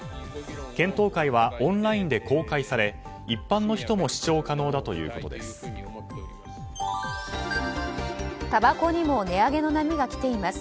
検討会はオンラインで公開され一般の人も視聴可能だということです。